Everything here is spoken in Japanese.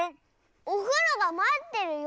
「おふろがまってるよ」！